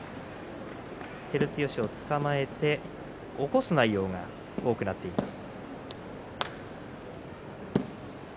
照強をつかまえて起こす内容が多くなっています。